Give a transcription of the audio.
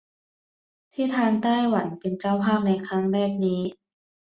ที่ทางไต้หวันเป็นเจ้าภาพในครั้งแรกนี้